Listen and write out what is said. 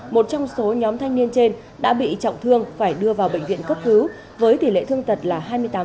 một trong số nhóm thanh niên trên đã bị trọng thương phải đưa vào bệnh viện cấp cứu với tỷ lệ thương tật là hai mươi tám